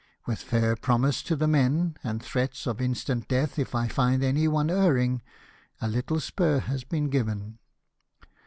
With fair pro mises to the men, and threats of instant death if I find any one erring, a little spur has been given."